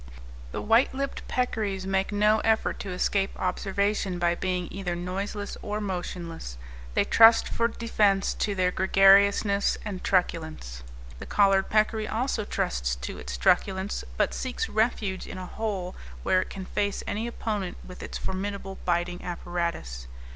The white lipped peccaries make no effort to escape observation by being either noiseless or motionless; they trust for defence to their gregariousness and truculence. The collared peccary also trusts to its truculence, but seeks refuge in a hole where it can face any opponent with its formidable biting apparatus.